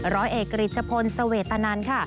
ร้อยเอกริจชะพนสเวตนั้นค่ะ